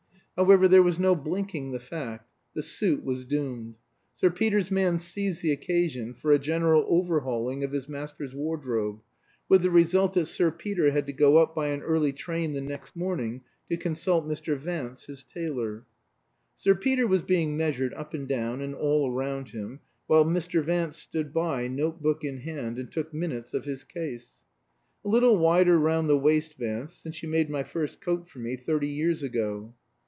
However, there was no blinking the fact the suit was doomed. Sir Peter's man seized the occasion for a general overhauling of his master's wardrobe, with the result that Sir Peter had to go up by an early train the next morning to consult Mr. Vance, his tailor. Sir Peter was being measured up and down and all round him, while Mr. Vance stood by, note book in hand, and took minutes of his case. "A little wider round the waist, Vance, since you made my first coat for me thirty years ago."